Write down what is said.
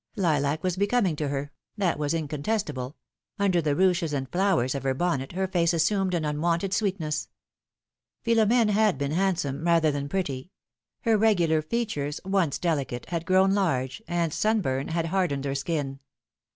Lilac was becoming to her, that was incontestable ; under the ruches and flowers of her bonnet her face assumed an unwonted sweetness. Philomene had been handsome, rather than pretty; her regular features, once delicate, had grown large, and sunburn had hardened her skin.